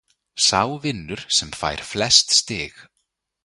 Sá vinnur sem fær flest stig.